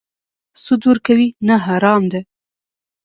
سود ورکوي؟ نه، حرام ده